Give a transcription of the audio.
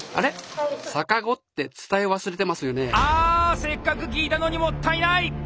せっかく聞いたのにもったいない！